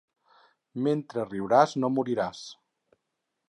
Mentre riuràs no moriràs.